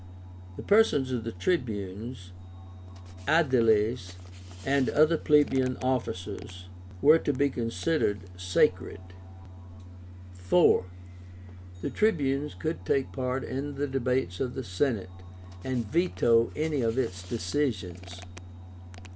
The persons of the Tribunes, Aediles, and other plebeian officers, were to be considered sacred. IV. The Tribunes could take part in the debates of the Senate, and veto any of its decisions.